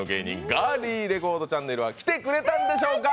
ガーリィレコードチャンネルは来てくれたんでしょうか。